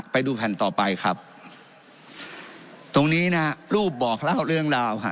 ไปดูแผ่นต่อไปครับตรงนี้นะฮะรูปบอกเล่าเรื่องราวฮะ